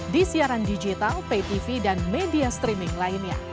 di siaran digital pay tv dan media streaming lainnya